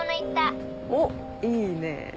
おっいいねぇ。